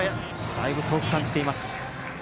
だいぶ遠く感じています。